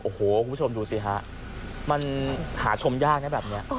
โอ้โหคุณผู้ชมดูสิฮะมันหาชมยากนะแบบนี้